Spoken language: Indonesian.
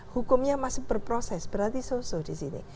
hukumnya masih berproses berarti so so di sini